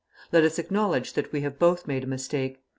Let us acknowledge that we have both made a mistake.